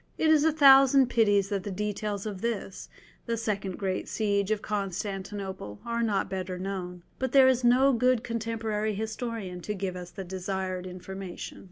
It is a thousand pities that the details of this, the second great siege of Constantinople, are not better known. But there is no good contemporary historian to give us the desired information.